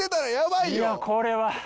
いやこれは。